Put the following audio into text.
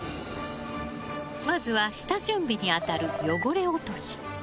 まずは下準備に当たる汚れ落とし。